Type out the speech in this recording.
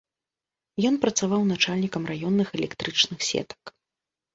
Ён працаваў начальнікам раённых электрычных сетак.